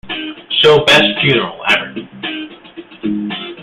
show Best Funeral Ever.